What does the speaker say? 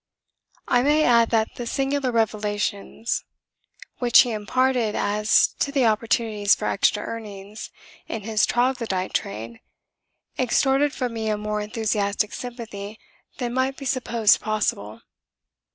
I may add that the singular revelations which he imparted as to the opportunities for extra earnings in his troglodyte trade extorted from me a more enthusiastic sympathy than might be supposed possible.